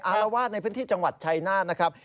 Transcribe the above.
อารวาสในพื้นที่จังหวัดชัยนาธนะครับ